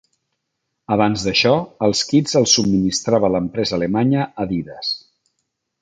Abans d'això, els kits els subministrava l'empresa alemanya Adidas.